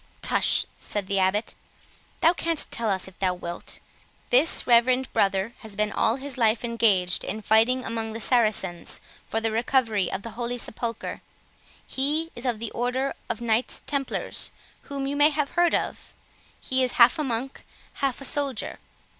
"Tush," said the Abbot, "thou canst tell us if thou wilt. This reverend brother has been all his life engaged in fighting among the Saracens for the recovery of the Holy Sepulchre; he is of the order of Knights Templars, whom you may have heard of; he is half a monk, half a soldier."